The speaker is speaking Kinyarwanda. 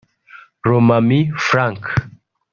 Lomami Frank